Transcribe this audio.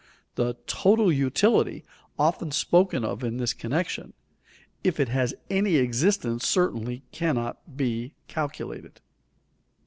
The "total utility," often spoken of in this connection, if it has any existence certainly cannot be calculated.